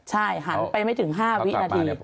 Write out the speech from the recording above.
ใช่หันไปไม่ถึง๕วินาที